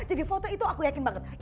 di foto itu aku yakin banget